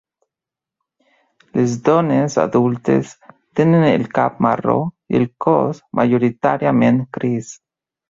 Les dones adultes tenen el cap marró i el cos majoritàriament gris.